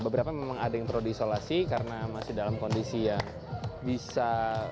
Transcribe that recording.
beberapa memang ada yang perlu diisolasi karena masih dalam kondisi yang bisa